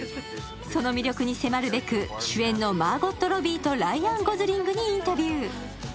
その魅力に迫るべく主演のマーゴット・ロビーとライアン・ゴズリングにインタビュー。